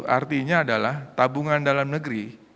artinya adalah tabungan dalam negeri